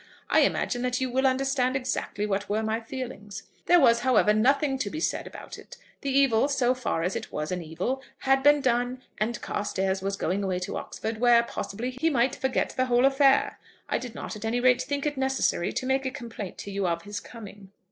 I imagine that you will understand exactly what were my feelings. There was, however, nothing to be said about it. The evil, so far as it was an evil, had been done, and Carstairs was going away to Oxford, where, possibly, he might forget the whole affair. I did not, at any rate, think it necessary to make a complaint to you of his coming.